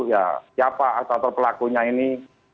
ya siapa asal asal pelakunya ini